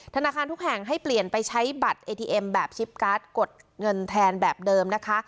ธนาคารทุกแห่งให้เปลี่ยนไปใช้บัตรเอทีเอ็มแบบชิปการ์ดกดเงินแทนแบบเดิมนะคะ